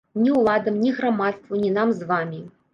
Ні ўладам, ні грамадству, ні нам з вамі.